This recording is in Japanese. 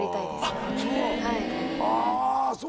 あっそう。